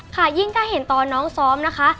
ค่ะยิ่งก็เห็นตอนน้องซ้อมนะคะ